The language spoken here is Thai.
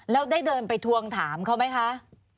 แล้วได้เดินไปทวงถามเขาไหมคะ